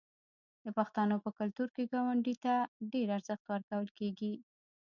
د پښتنو په کلتور کې ګاونډي ته ډیر ارزښت ورکول کیږي.